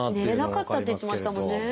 寝れなかったって言ってましたもんね。